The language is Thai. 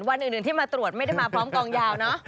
วันอื่นที่มาตรวจไม่ได้มาพร้อมกองยาวเนอะ